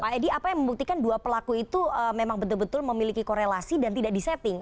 pak edi apa yang membuktikan dua pelaku itu memang betul betul memiliki korelasi dan tidak di setting